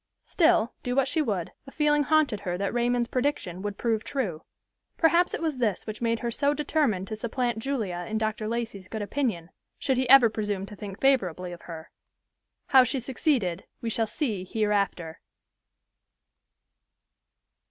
Still, do what she would, a feeling haunted her that Raymond's prediction would prove true. Perhaps it was this which made her so determined to supplant Julia in Dr. Lacey's good opinion, should he ever presume to think favorably of her. How she succeeded we shall see hereafter.